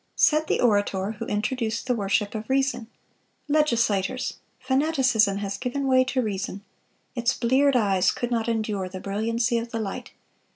(404) Said the orator who introduced the worship of Reason: "Legislators! Fanaticism has given way to reason. Its bleared eyes could not endure the brilliancy of the light.